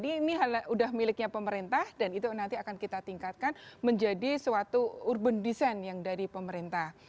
ini sudah miliknya pemerintah dan itu nanti akan kita tingkatkan menjadi suatu urban design yang dari pemerintah